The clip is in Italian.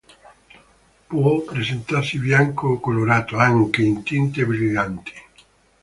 Può presentarsi bianco o colorato, anche in tinte brillanti.